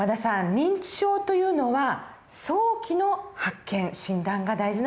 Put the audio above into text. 認知症というのは早期の発見診断が大事なんですね。